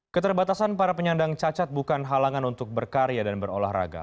keterbatasan para penyandang cacat bukan halangan untuk berkarya dan berolahraga